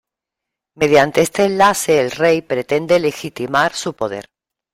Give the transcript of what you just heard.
Mediante este enlace el rey pretende legitimar su poder.